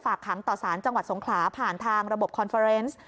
ขังต่อสารจังหวัดสงขลาผ่านทางระบบคอนเฟอร์เนส